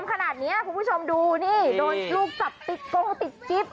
ขนาดนี้คุณผู้ชมดูนี่โดนลูกจับติดโกงติดกิ๊บ